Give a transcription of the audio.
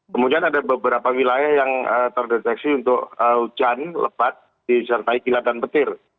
kemudian ada beberapa wilayah yang terdeteksi untuk hujan lebat disertai kilat dan petir